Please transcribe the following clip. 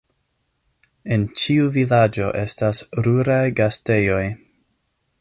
En ĉiu vilaĝo estas ruraj gastejoj.